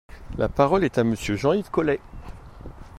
La parole est à Monsieur Jean-Yves Caullet.